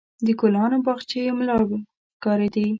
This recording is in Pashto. د ګلانو باغچې مړاوې ښکارېدې.